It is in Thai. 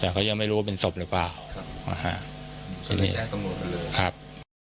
แต่เขายังไม่รู้ว่าเป็นศพหรือเปล่าครับอ่าฮะครับ